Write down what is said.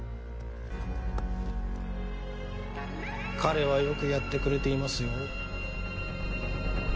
彼はよくやってくれていますよ。